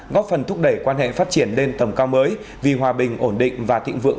góp phần thúc đẩy quan hệ phát triển lên tầm cao mới vì hòa bình ổn định và thịnh vượng